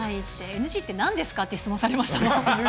ＮＧってなんですかって、質問されましたもん。